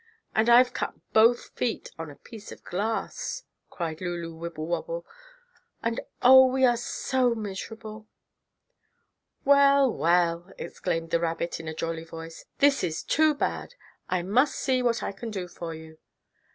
"And I've cut both feet on a piece of glass," cried Lulu Wibblewobble, "and Oh, we are all so miserable!" "Well, well!" exclaimed the rabbit in a jolly voice, "this is too bad. I must see what I can do for you.